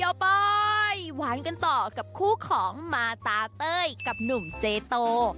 ปอยหวานกันต่อกับคู่ของมาตาเต้ยกับหนุ่มเจโต